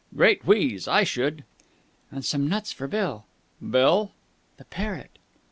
"Great wheeze! I should!" "And some nuts for Bill!" "Bill?" "The parrot."